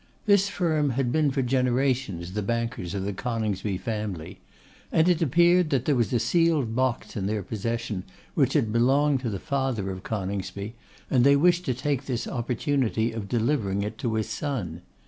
This firm had been for generations the bankers of the Coningsby family; and it appeared that there was a sealed box in their possession, which had belonged to the father of Coningsby, and they wished to take this opportunity of delivering it to his son.